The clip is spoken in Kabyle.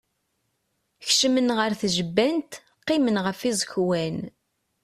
Kecmen ɣer tjebbant, qqimen ɣef yiẓekwan.